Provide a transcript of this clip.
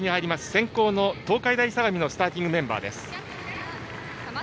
先攻の東海大相模のスターティングメンバーです。